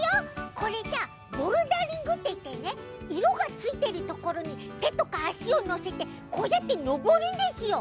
これさボルダリングっていってねいろがついてるところにてとかあしをのせてこうやってのぼるんですよ。